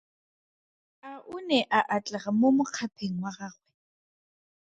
A o ne a atlega mo mokgapheng wa gagwe?